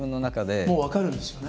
もう分かるんですよね？